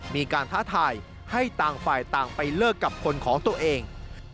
ท้าทายให้ต่างฝ่ายต่างไปเลิกกับคนของตัวเอง